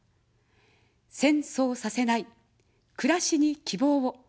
戦争させない、くらしに希望を。